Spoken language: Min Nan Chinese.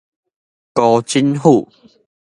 辜振甫